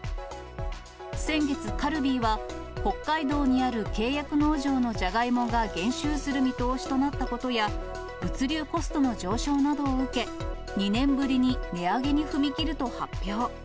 先月、カルビーは北海道にある契約農場のジャガイモが減収する見通しとなったことや、物流コストの上昇などを受け、２年ぶりに値上げに踏み切ると発表。